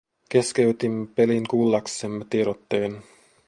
Keskeytimme pelin kuullaksemme tiedotteen.